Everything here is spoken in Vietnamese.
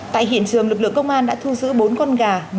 tại hiện trường lực lượng công an đã thu giữ bốn con gà